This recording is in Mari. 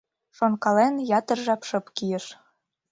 Шонкален, ятыр жап шып кийыш.